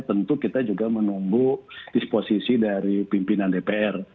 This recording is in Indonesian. tentu kita juga menunggu disposisi dari pimpinan dpr